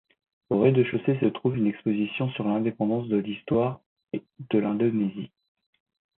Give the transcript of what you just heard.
Au rez-de-chaussée se trouve une exposition sur l'indépendance et l'histoire de l'Indonésie.